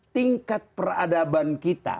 tingkat peradaban kita